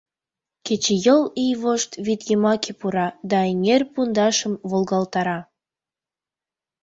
Кечыйол ий вошт вӱд йымаке пура да эҥер пундашым волгалтара.